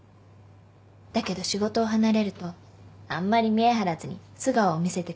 だけど仕事を離れるとあんまり見え張らずに素顔を見せてくれる。